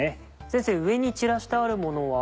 先生上に散らしてあるものは。